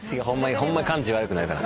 ホンマに感じ悪くなるから。